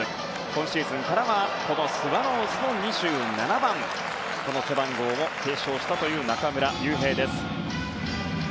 今シーズンからはスワローズの２７番の背番号を継承したという中村悠平です。